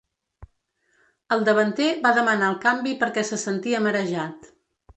El davanter va demanar el canvi perquè se sentia marejat.